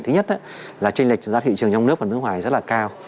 thứ nhất là trinh lệch giá thị trường trong nước và nước ngoài rất là cao